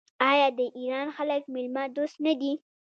آیا د ایران خلک میلمه دوست نه دي؟